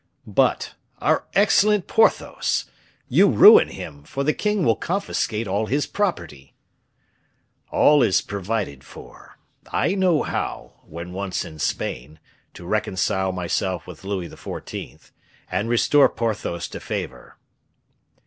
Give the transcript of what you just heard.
"But, our excellent Porthos! you ruin him, for the king will confiscate all his property." "All is provided for. I know how, when once in Spain, to reconcile myself with Louis XIV., and restore Porthos to favor."